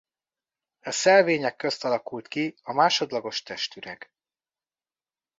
E szelvények közt alakult ki a másodlagos testüreg.